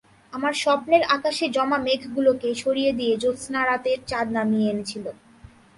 আমার স্বপ্নের আকাশে জমা মেঘগুলোকে সরিয়ে দিয়ে জ্যোৎস্না রাতের চাঁদ নামিয়ে এনেছিল।